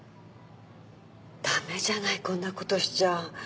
駄目じゃないこんなことしちゃ